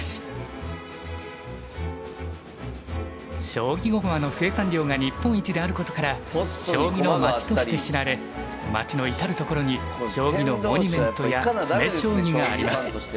将棋駒の生産量が日本一であることから将棋のまちとして知られまちの至る所に将棋のモニュメントや詰将棋があります。